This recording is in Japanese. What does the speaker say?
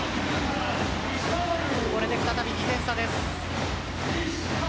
これで再び２点差です。